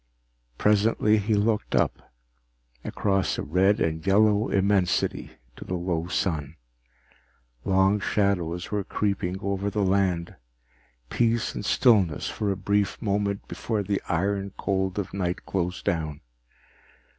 Presently he looked up, across a red and yellow immensity to the low sun. Long shadows were creeping over the land, peace and stillness for a brief moment before the iron cold of night closed down.